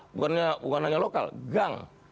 bukan hanya lokal gang